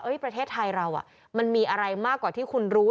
ประเทศไทยเรามันมีอะไรมากกว่าที่คุณรู้